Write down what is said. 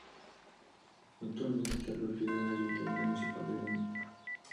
Actualmente es propiedad del Ayuntamiento Municipal de Baní.